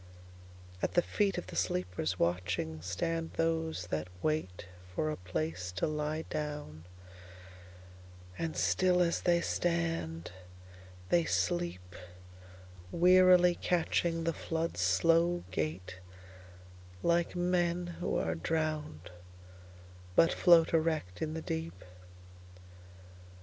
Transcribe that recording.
At the feet of the sleepers, watching, Stand those that waitFor a place to lie down; and still as they stand, they sleep, Wearily catchingThe flood's slow gaitLike men who are drowned, but float erect in the deep.